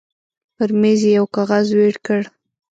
پر مېز يې يو کاغذ وېړ کړ.